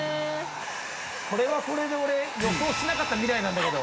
◆これはこれで俺、予想してなかった未来なんだけど。